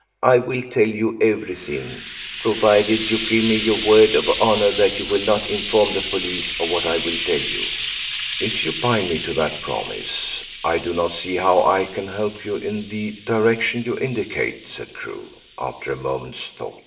"I will tell you everything, provided you give me your word of honour that you will not inform the police of what I will tell you." "If you bind me to that promise I do not see how I can help you in the direction you indicate," said Crewe, after a moment's thought.